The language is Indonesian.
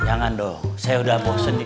jangan dong saya udah bosen di